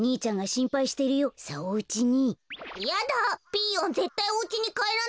ピーヨンぜったいおうちにかえらない。